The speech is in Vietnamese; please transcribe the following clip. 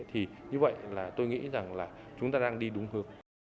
thì như vậy là tôi nghĩ rằng là chúng ta đang đi đúng hướng